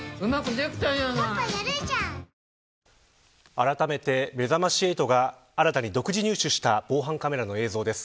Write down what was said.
あらためて、めざまし８が新たに独自入手した防犯カメラの映像です。